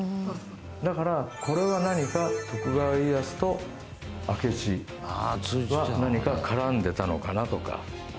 だからこれは何か徳川家康と明智は何か絡んでたのかなとか。